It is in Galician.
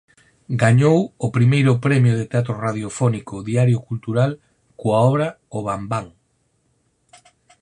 Gañou o I Premio de teatro radiofónico Diario Cultural coa obra "O bambán".